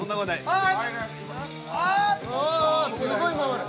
ああすごい回る。